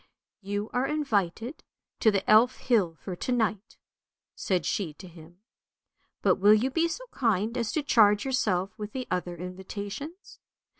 " You are invited to the Elf hill for to night," said she to him. " But will you be so kind as to charge yourself with the other invitations.